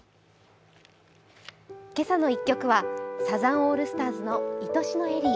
「けさの１曲」はサザンオールスターズの「いとしのエリー」。